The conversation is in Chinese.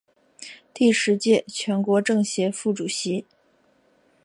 第十届全国政协副主席。